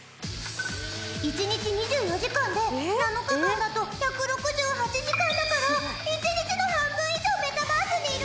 １日２４時間で７日間だと１６８時間だから１日の半分以上メタバースにいるみたい！